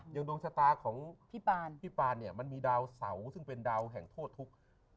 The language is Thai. ดวงชะตาของพี่ปานเนี่ยมันมีดาวเสาซึ่งเป็นดาวแห่งโทษทุกข์